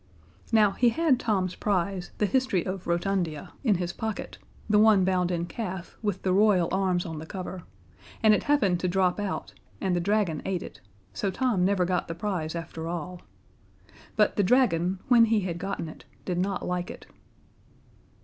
Now, he had Tom's prize, the History of Rotundia, in his pocket the one bound in calf, with the Royal arms on the cover and it happened to drop out, and the dragon ate it, so Tom never got the prize after all. But the dragon, when he had gotten it, did not like it.